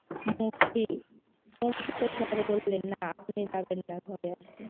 মক্ষী কম্পিতস্বরে বললে, না, আপনি যাবেন না, ঘরে আসুন।